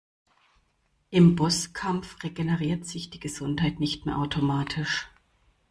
Im Bosskampf regeneriert sich die Gesundheit nicht mehr automatisch.